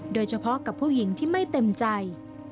โดยเฉพาะกับผู้หญิงที่ไม่เต็มใจ